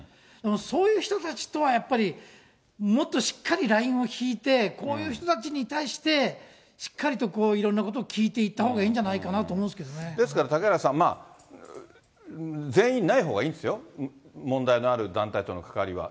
そういう人たちとはやっぱり、もっとしっかりラインを引いて、こういう人たちに対して、しっかりといろんなことを聞いていったほうがいいんじゃないかなですから、嵩原さん、全員、ないほうがいいんですよ、問題のある団体との関わりは。